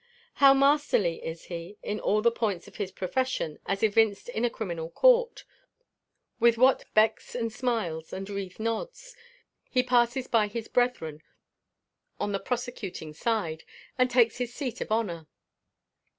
How masterly is he in all the points of his profession as evinced in a criminal court. With what "becks, and smiles, and wreathed nods," he passes by his brethren on the prosecuting side, and takes his seat of honour.